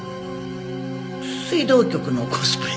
水道局のコスプレ。